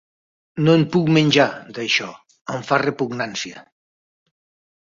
No en puc menjar, d'això: em fa repugnància.